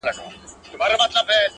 • چي به خان کله سورلۍ ته وو بېولی -